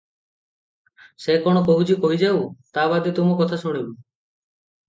ସେ କଣ କହୁଛି କହିଯାଉ, ତା ବାଦେ ତୁମ କଥା ଶୁଣିବୁଁ ।"